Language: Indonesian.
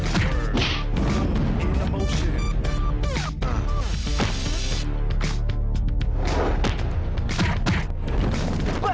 tidak dia sudah kembali